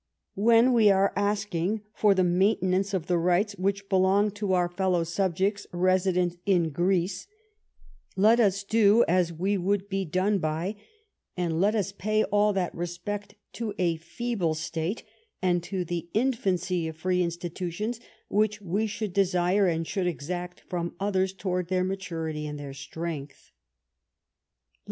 When we are asking for the maintenance of the rights which belong to our fellow subjects resident in Greece, let us do as we would be done by, and let us pay all that respect to a feeble State, and to the infancy of free institutions, which we should desire and should exact from others towards their maturity and their strength.